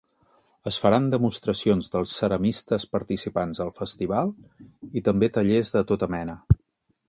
Es faran demostracions dels ceramistes participants al festival i també tallers de tota mena.